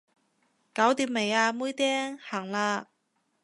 搞掂未啊妹釘，行啦